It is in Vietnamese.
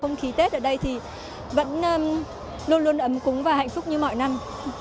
không khí tết ở đây thì vẫn luôn luôn ấm cúng và hạnh phúc như mọi năm